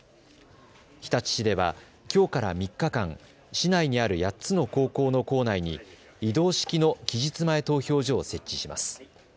日立市では、きょうから３日間、市内にある８つの高校の校内に移動式の期日前投票所を設置します。